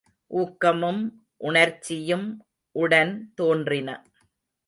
ஊக்கமும், உணர்ச்சியும் உடன் தோன்றின.